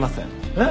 えっ？